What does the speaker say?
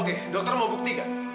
oke dokter mau bukti gak